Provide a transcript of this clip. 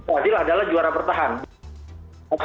brazil adalah juara pertahanan